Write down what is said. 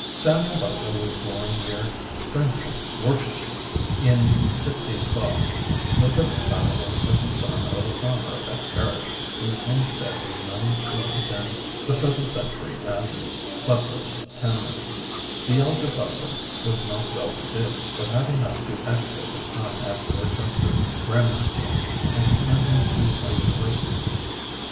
[Illustration: SAMUEL BUTLER] Samuel Butler was born near Strensham, Worcestershire, in 1612, the fifth child and second son of a farmer of that parish, whose homestead was known to within the present century as "Butler's tenement." The elder Butler was not well to do, but had enough to educate his son at the Worcester Grammar School, and to send him to a university.